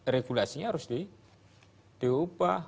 regulasinya harus diubah